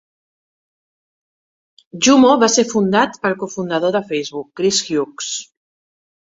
Jumo va ser fundat pel cofundador de Facebook, Chris Hughes.